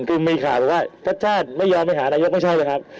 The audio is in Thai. คือมีข่าวบอกว่าท่านไม่ยอมไปหานายกไม่ใช่นะครับ